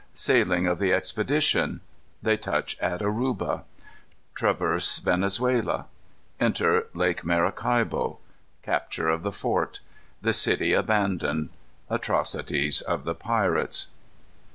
Sailing of the Expedition. They Touch at Oruba. Traverse Venezuela. Enter Lake Maracaibo. Capture of the Fort. The City Abandoned. Atrocities of the Pirates.